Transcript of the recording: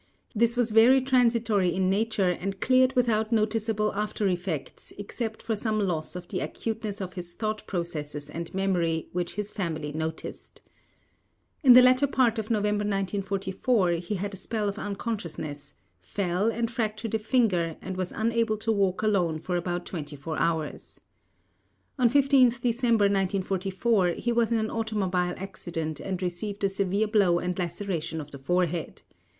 This was very transitory in nature and cleared without noticeable aftereffects except for some loss of the acuteness of his thought processes and memory which his family noticed. In the latter part of November 1944 he had a spell of unconsciousness, fell and fractured a finger and was unable to walk alone for about 24 hours. On 15 December 1944, he was in an automobile accident and received a severe blow and laceration of the forehead.